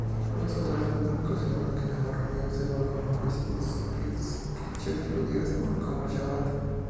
Otros autores han considerado que Navarro habría observado las prescripciones judías, como el shabat.